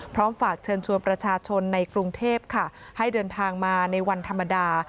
พร้อมฝากเชิญชวนประชาชนในกรุงเทพค่ะให้เดินทางมาในวันธรรมดา